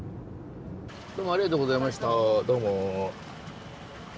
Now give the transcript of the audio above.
どうもありがとうございましたどうも。